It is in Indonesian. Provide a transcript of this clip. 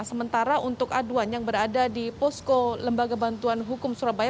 sementara untuk aduan yang berada di posko lembaga bantuan hukum surabaya